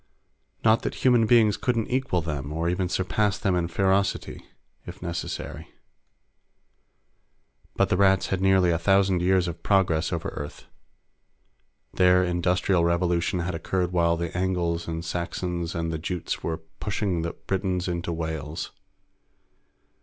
Not that human beings couldn't equal them or even surpass them in ferocity, if necessary. But the Rats had nearly a thousand years of progress over Earth. Their Industrial Revolution had occurred while the Angles and the Saxons and the Jutes were pushing the Britons into Wales.